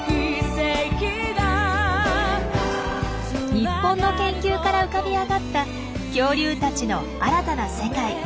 日本の研究から浮かび上がった恐竜たちの新たな世界。